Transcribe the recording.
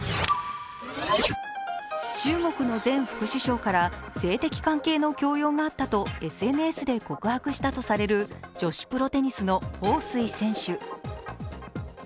中国の前副首相から性的関係の強要があったとＳＮＳで告白したとされる女子プロテニスの彭帥選手。